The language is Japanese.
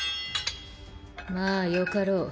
まあよかろう。